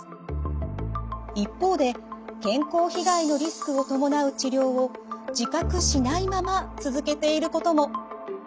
一方で健康被害のリスクを伴う治療を自覚しないまま続けていることも。